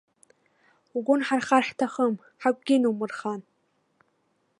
Угәы нҳархар ҳҭахым, ҳагәгьы нумырхан.